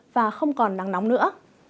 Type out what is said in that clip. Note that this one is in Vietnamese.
và không còn nắng nóng nữa